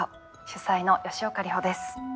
主宰の吉岡里帆です。